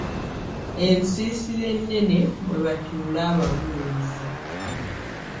Ensiisira ennene mwe batuula ababuulizi.